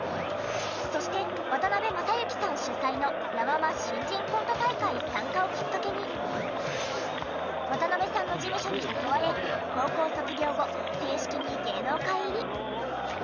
そして渡辺正行さん主催のラ・ママ新人コント大会参加をきっかけに渡辺さんの事務所に誘われ高校卒業後正式に芸能界入り。